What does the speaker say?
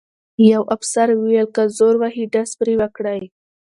یوه افسر وویل: که زور وهي ډز پرې وکړئ.